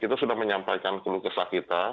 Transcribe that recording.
kita sudah menyampaikan pelukisah kita